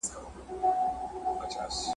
تر څو چي واک وي د ابوجهل ..